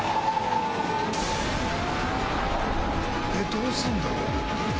どうすんだろ？